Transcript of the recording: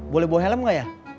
boleh bawa helm nggak ya